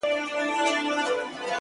د وحشت؛ په ښاریه کي زندگي ده _